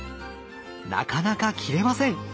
なかなか切れません。